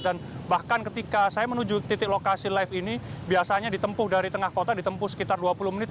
dan bahkan ketika saya menuju titik lokasi live ini biasanya ditempuh dari tengah kota ditempuh sekitar dua puluh menit